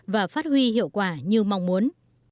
và phát huy hiệu quả như mong muốn